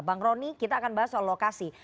bang roni kita akan bahas soal lokasi